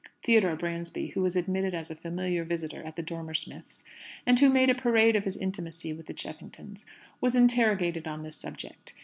Theodore Bransby, who was admitted as a familiar visitor at the Dormer Smiths', and who made a parade of his intimacy with the Cheffingtons, was interrogated on the subject.